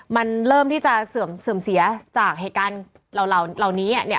มันเริ่มที่จะเสื่อมเสียจากเหตุการณ์เหล่านี้เนี่ย